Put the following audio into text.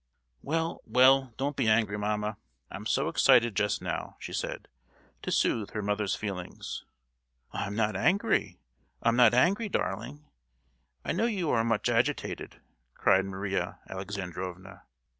"Well, well; don't be angry, mamma—I'm so excited just now!" she said, to soothe her mother's feelings. "I'm not angry, I'm not angry, darling! I know you are much agitated!" cried Maria Alexandrovna.